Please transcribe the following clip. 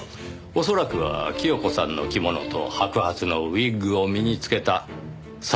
恐らくは清子さんの着物と白髪のウィッグを身に着けた小枝さん。